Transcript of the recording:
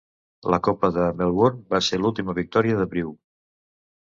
La Copa de Melbourne va ser l'última victòria de Brew.